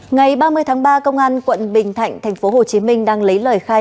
ngày ba mươi tháng ba công an quận bình thạnh thành phố hồ chí minh đang lấy lời khai